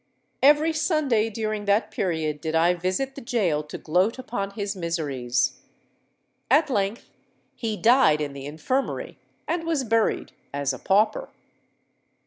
Every Sunday during that period did I visit the gaol to gloat upon his miseries. At length he died in the infirmary, and was buried as a pauper!